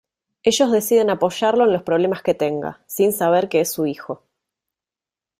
Ellos deciden apoyarlo en los problemas que tenga, sin saber que es su hijo.